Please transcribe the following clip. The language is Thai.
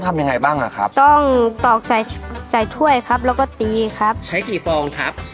ต้องตอกใส่ใส่ถ้วยครับแล้วก็ตีครับใช้กี่ฟองครับ